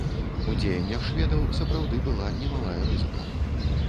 У дзеяннях шведаў сапраўды была немалая рызыка.